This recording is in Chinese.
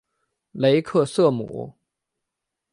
雷克瑟姆。